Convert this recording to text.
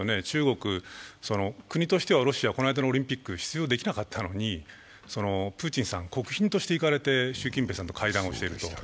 中国、国としてはロシア、この間のオリンピックに出場できなかったのに、プーチンさんは国賓として行かれて習近平さんと会談をしている。